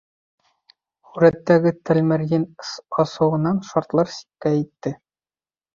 Һүрәттәге Тәлмәрйен асыуынан шартлар сиккә етте: